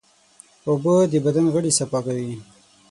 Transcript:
اوبه د بدن غړي صفا کوي.